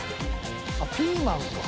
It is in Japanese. あっピーマンか。